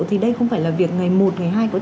thì đây không phải là việc ngày một ngày hai của